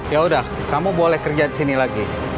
yaudah kamu boleh kerja disini lagi